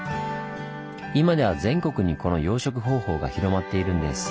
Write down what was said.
今では全国にこの養殖方法が広まっているんです。